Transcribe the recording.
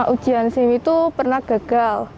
ujian sim itu pernah gagal